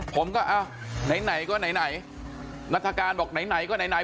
ผมก็เอ้าไหนไหนก็ไหนไหนนัฐาการบอกไหนไหนก็ไหนไหน